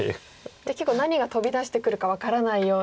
じゃあ結構何が飛び出してくるか分からないような。